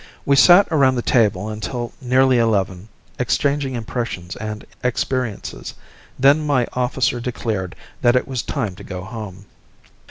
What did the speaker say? We sat around the table until nearly eleven, exchanging impressions and experiences. Then my officer declared that it was time to go home.